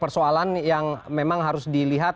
persoalan yang memang harus dilihat